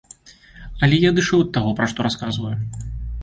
Але я адышоў ад таго, пра што расказваю.